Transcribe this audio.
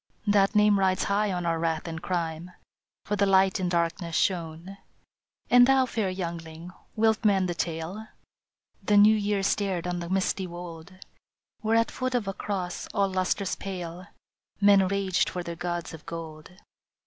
" That name rides high on our wrath and crime, For the Light in darkness shone. " And thou, fair youngling, wilt mend the tale? " The New Year stared on the misty wold, Where at foot of a cross all lustrous pale Men raged for their gods of gold.